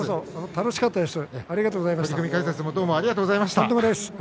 楽しかったです。